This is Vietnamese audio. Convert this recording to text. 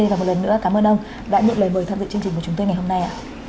và một lần nữa cảm ơn ông đã nhận lời mời tham dự chương trình của chúng tôi ngày hôm nay